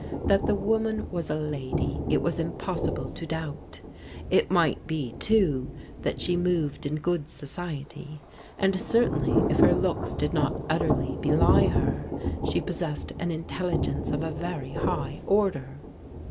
That the woman was a lacfy it was impossible to doubt It mig^t be, too, that she moved in good society, and certainly if her looks did not utterly belie her, she possessed an intelligence of a very high order.